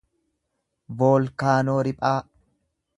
voolkaanoo riphaa